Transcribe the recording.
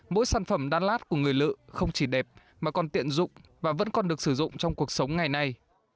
mỗi sản phẩm đan lát của người lự không chỉ đẹp mà còn tiện dụng và vẫn còn được sử dụng trong cuộc sống ngày nay